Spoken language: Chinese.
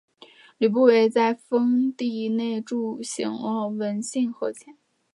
吕不韦在封地内铸行了文信圜钱。